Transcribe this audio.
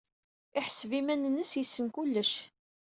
Yeḥseb iman-nnes yessen kullec.